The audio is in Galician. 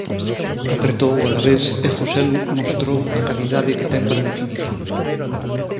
Apertou o Alavés e Joselu mostrou a calidade que ten para definir.